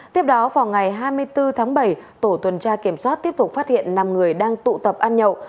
tiếp đó vào ngày hai mươi bốn tháng bảy tổ tuần tra kiểm soát tiếp tục phát hiện năm người đang tụ tập ăn nhậu